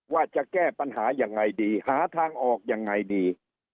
ว่าจะแก้ปัญหาอย่างไรดีหาทางออกอย่างไรดี